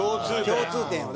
共通点よ。